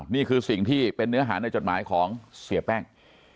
นี่คือสิ่งที่เป็นเนื้อหาในจดหมายของเสียแป้ง